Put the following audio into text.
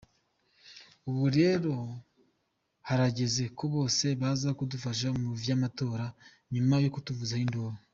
"Ubu rero harageze ko bose baza kudufasha mu vy'amatora, nyuma yo kutuvuzako induru.